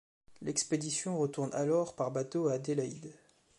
L'expédition retourne alors par bateau à Adélaïde.